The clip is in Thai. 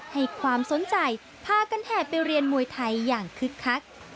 ให้ความสนใจพากันแห่ไปเรียนมวยไทยอย่างคึกคัก